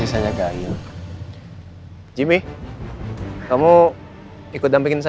iya tempat apa ternyata juga jadi beradu banget ya